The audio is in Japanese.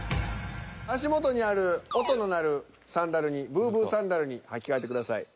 足元にある音の鳴るサンダルにブーブーサンダルに履き替えてください。